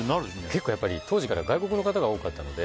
結構、当時から外国の方が多かったので。